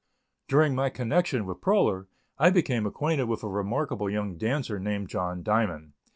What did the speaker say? During my connection with Proler, I became acquainted with a remarkable young dancer named John Diamond.